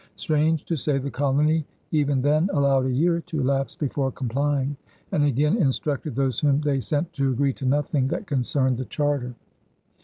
Strange to say the colony even then allowed a year to elapse before complying, and again instructed those whom they sent to agree to nothing that concerned the charter.